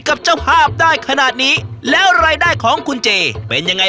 กับเจ้าภาพได้ขนาดนี้แล้วรายได้ของคุณเจเป็นยังไง